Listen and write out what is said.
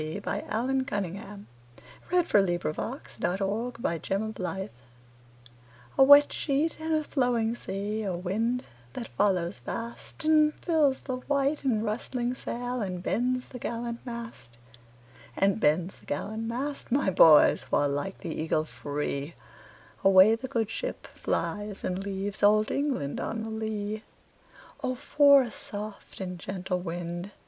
Allan Cunningham CCV. "A wet sheet and a flowing sea" A WET sheet and a flowing sea,A wind that follows fastAnd fills the white and rustling sailAnd bends the gallant mast; And bends the gallant mast, my boys, While like the eagle freeAway the good ship flies, and leavesOld England on the lee."O for a soft and gentle wind!"